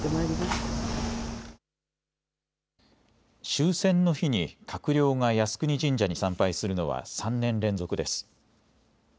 終戦の日に閣僚が靖国神社に参拝するのは３年連続です。